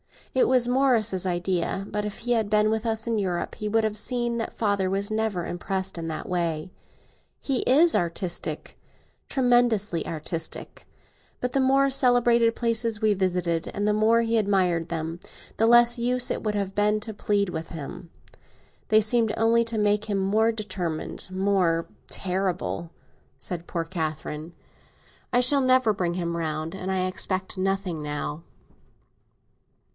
It was Morris's idea; but if he had been with us, in Europe, he would have seen that father was never impressed in that way. He is artistic—tremendously artistic; but the more celebrated places we visited, and the more he admired them, the less use it would have been to plead with him. They seemed only to make him more determined—more terrible," said poor Catherine. "I shall never bring him round, and I expect nothing now."